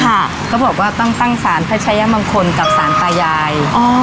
ค่ะก็บอกว่าต้องตั้งสารพระชายะบางคนกับสารตายาย